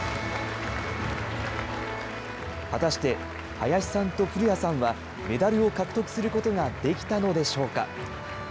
果たして、林さんと古屋さんはメダルを獲得することができたのでしょうか。